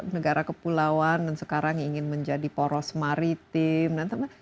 negara kepulauan dan sekarang ingin menjadi poros maritim